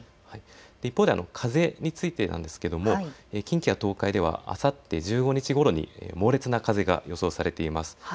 一方で風についてですが、近畿や東海ではあさって１５日ごろに猛烈な風が予想されています。